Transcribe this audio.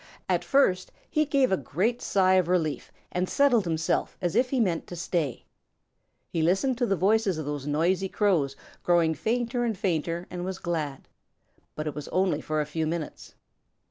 At first he gave a great sigh of relief and settled himself as if he meant to stay. He listened to the voices of those noisy Crows growing fainter and fainter and was glad. But it was only for a few minutes.